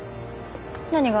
何が？